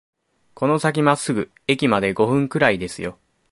この先まっすぐ、駅まで五分くらいですよ